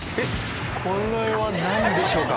これは何でしょうか？